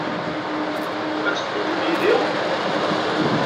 Ad teddukel yid-i?